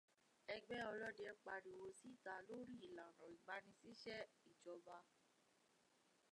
Ẹgbẹ́ ọlọ́dẹ pariwo síta lórí ìlànà ìgbanisíṣẹ́ ìjọba.